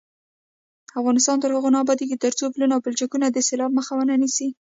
افغانستان تر هغو نه ابادیږي، ترڅو پلونه او پلچکونه د سیلاب مخه ونه نیسي.